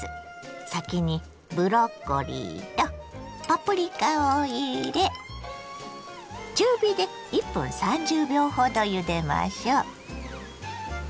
先にブロッコリーとパプリカを入れ中火で１分３０秒ほどゆでましょ。